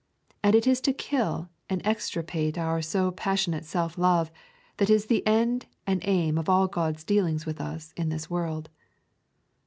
And it is to kill and extirpate our so passionate self love that is the end and aim of all God's dealings with us in this world.